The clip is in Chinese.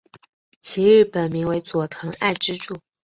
其日本名为佐藤爱之助。